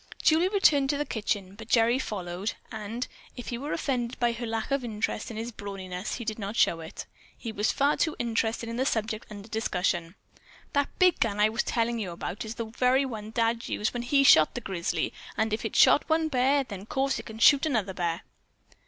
Julie returned to the kitchen, but Gerry followed, and, if he were offended by her lack of interest in his brawniness, he did not show it. He was far too interested in the subject under discussion. "That big gun I was telling you about is the very one Dad used when he shot the grizzly, and if it shot one bear, then of course it can shoot another bear."